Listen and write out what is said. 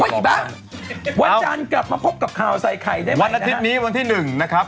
ว่าอีบ้าวันอาจารย์กลับมาพบกับข่าวใส่ไข่ได้ไหมนะครับวันอาทิตย์นี้วันที่๑นะครับ